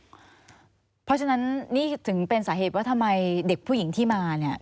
เพราะฉะนั้นนี่ถึงเป็นสาเหตุว่าทำไมเด็กผู้หญิงที่มาเนี่ย